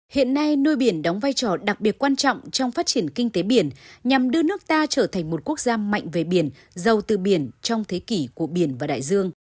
hiện nay nuôi biển đóng vai trò đặc biệt quan trọng trong phát triển kinh tế biển nhằm đưa nước ta trở thành một quốc gia mạnh về biển giàu từ biển trong thế kỷ của biển và đại dương